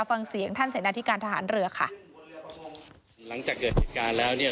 ฟังเสียงท่านเสนาธิการทหารเรือค่ะหลังจากเกิดเหตุการณ์แล้วเนี่ย